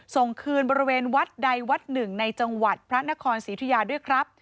ส่งคืนบริเวณวัดใดวัดหนึ่งในจังหวัดพระนครศรีอุทยาด้วยครับ